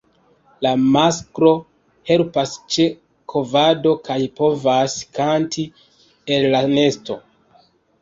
La masklo helpas ĉe kovado kaj povas kanti el la nesto.